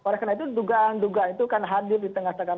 karena itu dugaan dugaan itu kan hadir di tengah tengah